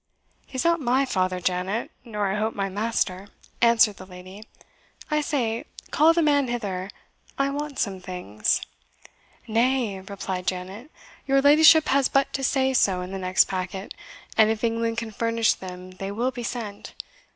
"He is not my father, Janet, nor I hope my master," answered the lady. "I say, call the man hither I want some things." "Nay," replied Janet, "your ladyship has but to say so in the next packet, and if England can furnish them they will be sent.